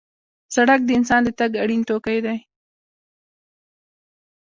سړک د انسان د تګ اړین توکی دی.